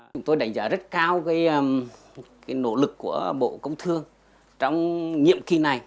chúng tôi đánh giá rất cao nỗ lực của bộ công thương trong nhiệm kỳ này